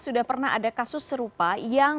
sudah pernah ada kasus serupa yang